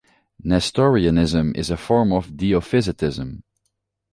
Nestorianism is a form of dyophysitism.